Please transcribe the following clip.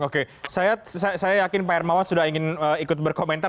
oke saya yakin pak hermawan sudah ingin ikut berkomentar